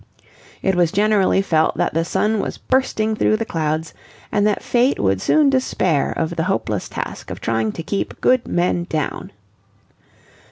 It was generally felt that the sun was bursting through the clouds and that Fate would soon despair of the hopeless task of trying to keep good men down.